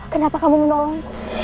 kenapa kamu menolong